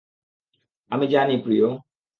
আমি জানি, প্রিয়।